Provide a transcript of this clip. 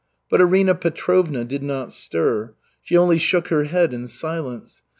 But Arina Petrovna did not stir. She only shook her head in silence.